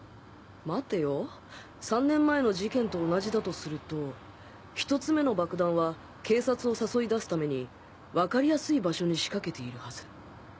待てよ３年前の事件と同じだとすると１つ目の爆弾は警察を誘い出すためにわかりやすい場所に仕掛けているはず